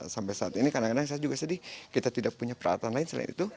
sampai saat ini kadang kadang saya juga sedih kita tidak punya peralatan lain selain itu